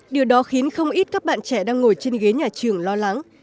điều đó khiến không ít các bạn trẻ đang ngồi trên ghế nhà trường lo lắng